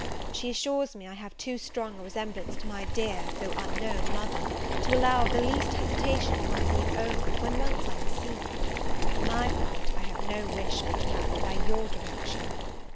She assures me I have too strong a resemblance to my dear, though unknown, mother, to allow of the least hesitation in my being owned, when once I am seen. For my part, I have no wish but to act by your direction.